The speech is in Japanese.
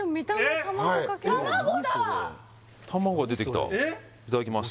卵だ卵が出てきたいただきます